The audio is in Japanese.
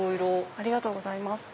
ありがとうございます。